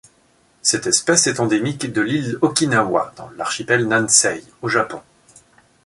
Cette espèce est endémique de l'île Okinawa dans l'archipel Nansei au Japon.